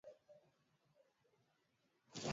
Fursa ya kutofika Karume mahakamani ni kupata upendeleo